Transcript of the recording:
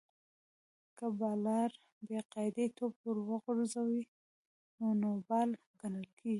که بالر بې قاعدې توپ ور وغورځوي؛ نو نو بال ګڼل کیږي.